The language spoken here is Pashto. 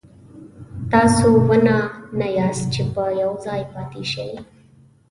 تاسو ونه نه یاست چې په یو ځای پاتې شئ.